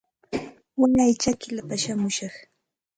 Waray chakillapa shamushaq